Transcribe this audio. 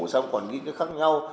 xong còn nghĩ cái khác nhau